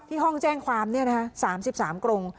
ที่ห้องแจ้งความนี่นะคะ๓๓กลง